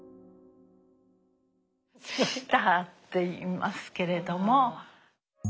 シターっていいますけれども。